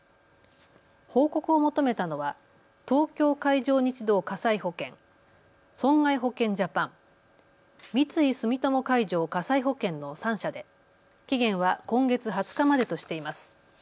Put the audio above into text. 報告を求めたのは東京海上日動火災保険、損害保険ジャパン、三井住友海上火災保険の３社で期限は今月２０日までとしています。